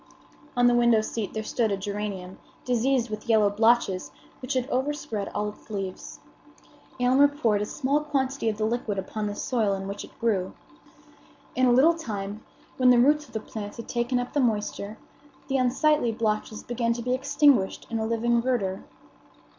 On the window seat there stood a geranium diseased with yellow blotches, which had overspread all its leaves. Aylmer poured a small quantity of the liquid upon the soil in which it grew. In a little time, when the roots of the plant had taken up the moisture, the unsightly blotches began to be extinguished in a living verdure.